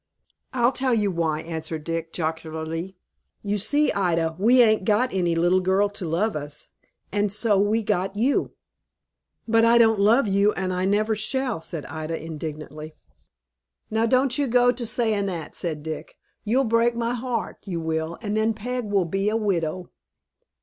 "I'll tell you why," answered Dick, jocularly. "You see, Ida, we ain't got any little girl to love us, and so we got you." "But I don't love you, and I never shall," said Ida, indignantly. "Now don't you go to saying that," said Dick. "You'll break my heart, you will, and then Peg will be a widow."